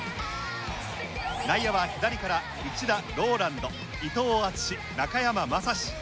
内野は左から内田ＲＯＬＡＮＤ伊藤淳史中山雅史。